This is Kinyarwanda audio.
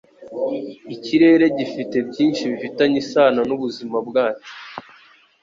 Ikirere gifite byinshi bifitanye isano nubuzima bwacu.